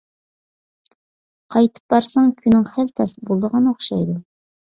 قايتىپ بارساڭ، كۈنۈڭ خېلى تەس بولىدىغان ئوخشايدۇ.